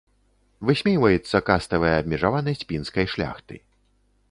Высмейваецца каставая абмежаванасць пінскай шляхты.